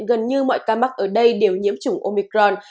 gần như mọi ca mắc ở đây đều nhiễm chủng omicron